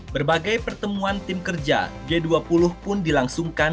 berbagai pertemuan tim kerja g dua puluh pun dilangsungkan